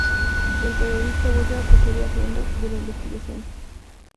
El periodista vuelve a coger las riendas de la investigación.